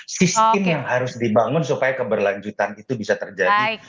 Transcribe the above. sistem yang harus dibangun supaya keberlanjutan itu bisa terjadi